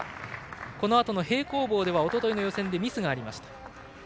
このあとの平行棒ではおとといの予選ミスがありました。